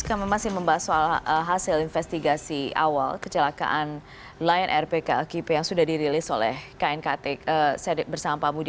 kami masih membahas soal hasil investigasi awal kecelakaan lion air pklkp yang sudah dirilis oleh knkt bersama pak budi